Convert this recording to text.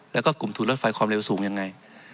แล้วก็กลุ่มทุนรถไฟความเร็วสูงยังไง